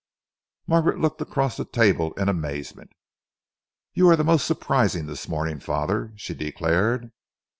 Margaret looked across the table in amazement. "You are most surprising this morning, father," she declared.